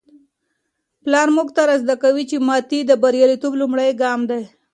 پلار موږ ته را زده کوي چي ماتې د بریالیتوب لومړی ګام دی.